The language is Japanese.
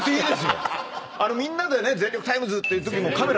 みんなでね『全力タイムズ』って言うときも。